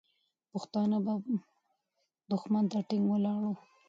پښتانه به دښمن ته ټینګ ولاړ وو.